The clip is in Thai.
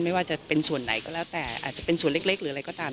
ไม่ว่าจะเป็นส่วนไหนก็แล้วแต่อาจจะเป็นส่วนเล็กหรืออะไรก็ตาม